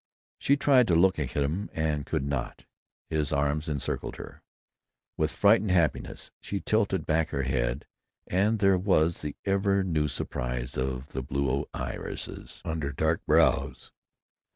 She tried to look at him, and could not. His arms circled her, with frightened happiness. She tilted back her head, and there was the ever new surprise of blue irises under dark brows.